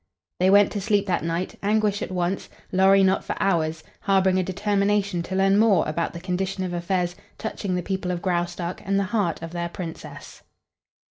They went to sleep that night, Anguish at once, Lorry not for hours, harboring a determination to learn more about the condition of affairs touching the people of Graustark and the heart of their Princess.